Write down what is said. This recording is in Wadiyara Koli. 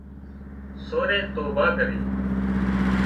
سورئي توڀان ڪري